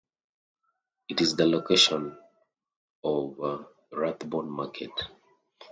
It is the location of Rathbone Market.